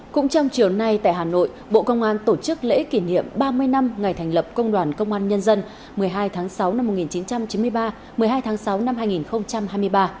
cũng trong chiều nay tại hà nội bộ công an tổ chức lễ kỷ niệm ba mươi năm ngày thành lập công đoàn công an nhân dân một mươi hai tháng sáu năm một nghìn chín trăm chín mươi ba một mươi hai tháng sáu năm hai nghìn hai mươi ba